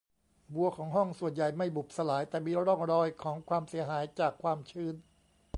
บัวของห้องส่วนใหญ่ไม่บุบสลาย แต่มีร่องรอยของความเสียหายจากความชื้น